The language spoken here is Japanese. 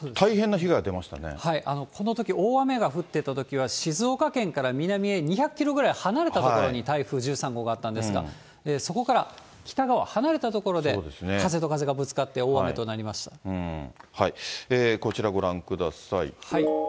このとき、大雨が降っていたときは、静岡県から南へ２００キロぐらい離れた所に台風１３号があったんですが、そこから北側、離れた所で風と風がぶつかって、こちらご覧ください。